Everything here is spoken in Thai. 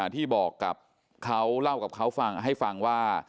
ที่บอกกับเขาเล่ากับเขาฟังให้ฟังว่า